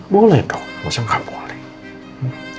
boleh dong masa gak boleh